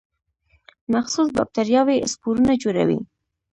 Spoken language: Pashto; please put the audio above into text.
مخصوص باکتریاوې سپورونه جوړوي.